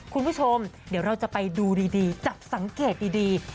คุณผู้ชมเดี๋ยวเราจะไปดูดีจับสังเกตดี